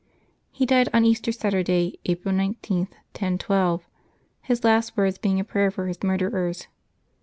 He died on Easter Saturday, April 19, 1012, his last words being a prayer for his murderers.